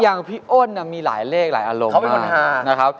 อย่างพี่โอ้นมีหลายเลขหลายอารมณ์มาก